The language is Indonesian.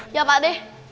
iya pak d